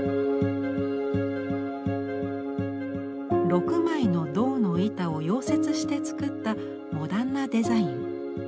６枚の銅の板を溶接して作ったモダンなデザイン。